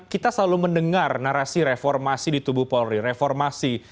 kita selalu mendengar narasi reformasi di tubuh polri reformasi